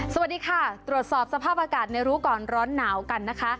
สวัสดีค่ะตรวจสอบสภาพอากาศในรู้ก่อนร้อนหนาวกันนะคะ